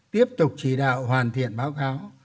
tiếp tục chỉ đạo hoàn thiện báo cáo